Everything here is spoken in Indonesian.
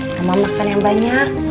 sama makan yang banyak